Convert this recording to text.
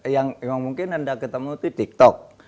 yang mungkin anda ketemu itu tiktok